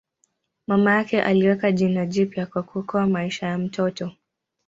Mama yake aliweka jina jipya kwa kuokoa maisha ya mtoto.